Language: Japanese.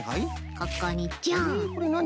ここにちょん！